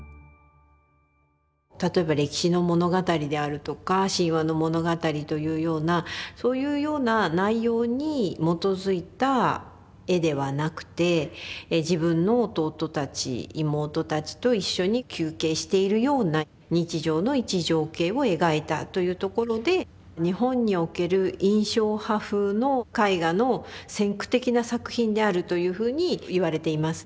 例えば歴史の物語であるとか神話の物語というようなそういうような内容に基づいた絵ではなくて自分の弟たち妹たちと一緒に休憩しているような日常の一情景を描いたというところで日本における印象派風の絵画の先駆的な作品であるというふうに言われています。